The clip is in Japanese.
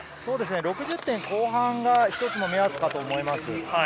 ６０点後半が一つの目安だと思います。